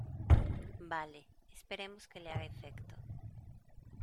vale. esperemos que le haga efecto .